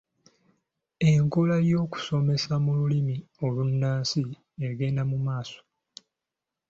Enkola y’okusomeseza mu Lulimi olunnansi egenda mu maaso.